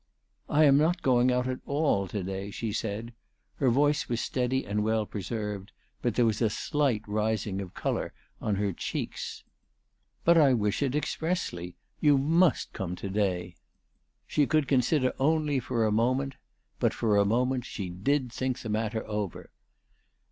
" I am not going out at all to day," she said. Her voice was steady and well preserved ; but there was a slight rising of colour on her cheeks. " But I wish it expressly. You must come to day." She could consider only for a moment, but for a 414 ALICE DUGDALE. moment she did think the matter over.